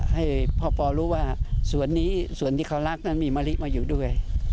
ให้พ่อปอรู้ว่าสวนนี้สวนที่เขารักนั้นมีมะลิมาอยู่ด้วย